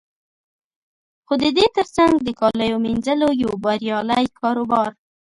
خو د دې تر څنګ د کالو مینځلو یو بریالی کاروبار